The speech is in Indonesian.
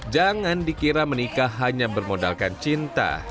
jangan dikira menikah hanya bermodalkan cinta